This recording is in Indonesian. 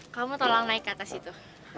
kamu tolong naik ke atas itu